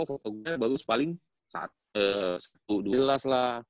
foto gue baru sepaling satu dua jelas lah